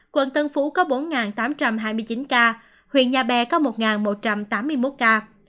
quận tân phú có bốn tám trăm hai mươi chín ca huyện nhà bè có một một trăm tám mươi một ca